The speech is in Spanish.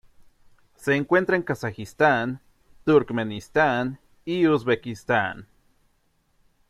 Se encuentra en Kazajistán, Turkmenistán y Uzbekistán.